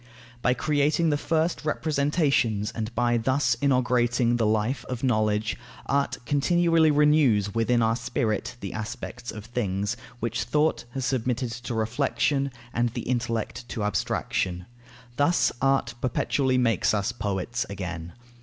By creating the first representations and by thus inaugurating the life of knowledge, art continually renews within our spirit the aspects of things, which thought has submitted to reflexion, and the intellect to abstraction. Thus art perpetually makes us poets again.